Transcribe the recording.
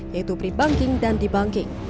yaitu pre banking dan debanking